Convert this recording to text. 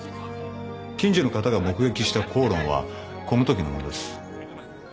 近所の方が目撃した口論はこのときのものです。